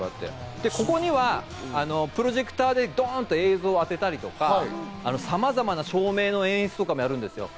ここにはプロジェクターでドンと映像を当てたりとか、さまざまな照明の演出とかもやるんですよ。